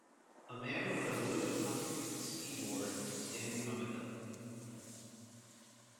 A man with a blue atomic ski board standing on a hill